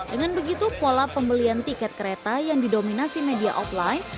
dengan begitu pola pembelian tiket kereta yang didominasi media offline